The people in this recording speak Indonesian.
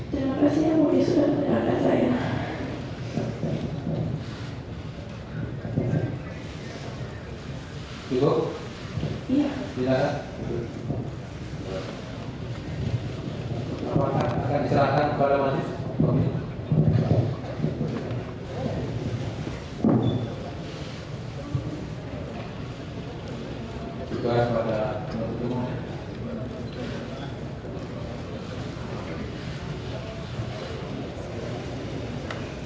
terima kasih yang mulia sudah menerangkan saya